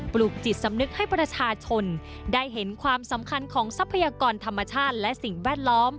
ลูกจิตสำนึกให้ประชาชนได้เห็นความสำคัญของทรัพยากรธรรมชาติและสิ่งแวดล้อม